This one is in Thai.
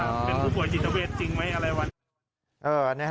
เป็นผู้ป่วยจิตเจาเวชจริงไหมอะไรวะ